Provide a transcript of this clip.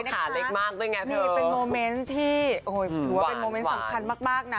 ขาเล็กมากด้วยไงนี่เป็นโมเมนต์ที่โอ้โหถือว่าเป็นโมเมนต์สำคัญมากนะ